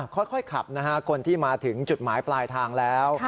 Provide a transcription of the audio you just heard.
ค่อยขับนะฮะคนที่มาถึงจุดหมายปลายทางแล้ว